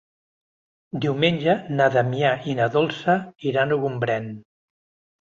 Diumenge na Damià i na Dolça iran a Gombrèn.